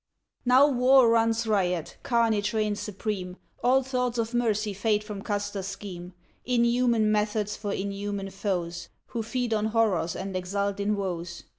Now war runs riot, carnage reigns supreme. All thoughts of mercy fade from Custer's scheme. Inhuman methods for inhuman foes, Who feed on horrors and exult in woes.